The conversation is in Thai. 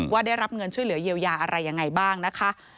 ได้รับเงินช่วยเหลือเยียวยาอะไรยังไงบ้างนะคะ